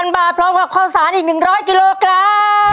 บาทพร้อมกับข้าวสารอีก๑๐๐กิโลกรัม